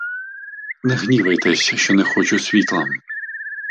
Не гнівайтеся, що не хочу світла.